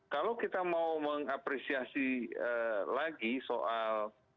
kalau kita mau mengapresiasi lagi soal